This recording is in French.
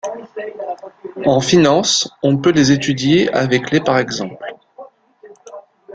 En finance, on peut les étudier avec les par exemple.